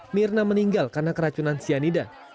mirna meninggal karena keracunan cyanida